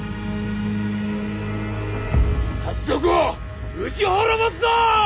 賊を討ち滅ぼすぞ！